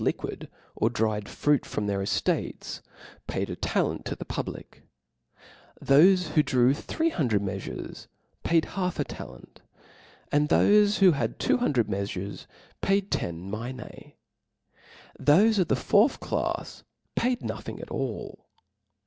* liquid or dry fruit from their eftates, paid a * ta *"* 'i®* lent to the public ; thofe who drew three hundred meafures, paid half a talent ; thofe who had two hundred meafures, paid ten minse ', thofe of the fourth clafs^ paid nothing at all.